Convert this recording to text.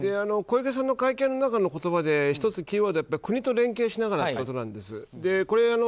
小池さんの会見の中の言葉で１つキーワードだった国と連携しながらということなんです。